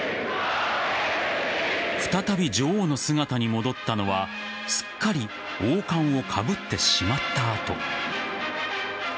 再び女王の姿に戻ったのはすっかり王冠をかぶってしまった後。